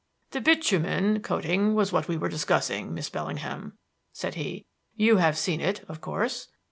"The bitumen coating was what we were discussing, Miss Bellingham," said he. "You have seen it, of course."